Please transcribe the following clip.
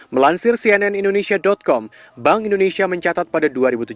melansir cnn indonesia com bank indonesia mencatat pada dua ribu tujuh belas